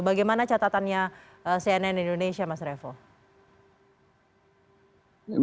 bagaimana catatannya cnn indonesia mas revo